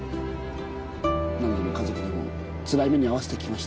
何度も家族にもつらい目に遭わせてきました。